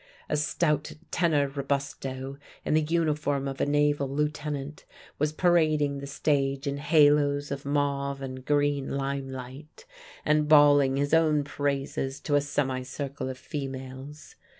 A stout tenore robusto in the uniform of a naval lieutenant was parading the stage in halos of mauve and green lime light, and bawling his own praises to a semicircle of females.